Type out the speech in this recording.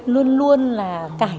luôn luôn là cải tiến